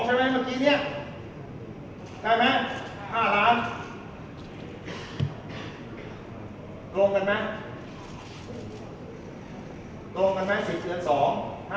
ใช่ไหมเมื่อกี้เนี่ยใช่ไหม๕ล้านลงกันไหมลงกันไหม๑๐เดือน๒